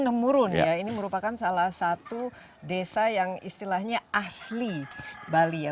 nemurun ya ini merupakan salah satu desa yang istilahnya asli bali ya